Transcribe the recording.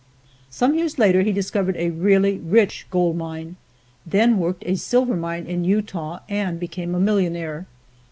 Some years later he discovered a really rich gold mine, then worked a silver mine in Utah and became a millionaire.